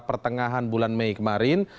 pertengahan bulan mei kemarin